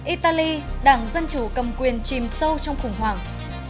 italy đảng dân chủ cầm quyền chìm sâu trong khủng hoảng